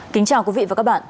kính chào quý vị và các bạn